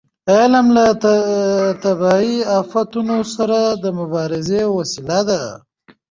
علم له طبیعي افتونو سره د مبارزې وسیله ده.